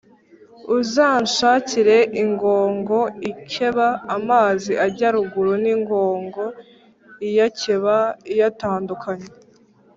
Uzanshakire ingongo ikeba amazi ajya ruguru n'ingongo iyakeba iyatandukanya.